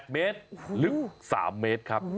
๘เมตรลึก๓เมตรครับ